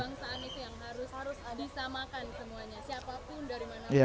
identitas kebangsaan itu yang harus disamakan semuanya